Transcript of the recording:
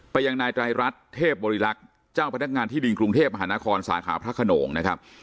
ยังนายไตรรัฐเทพบริรักษ์เจ้าพนักงานที่ดินกรุงเทพมหานครสาขาพระขนงนะครับ